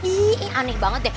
ih aneh banget deh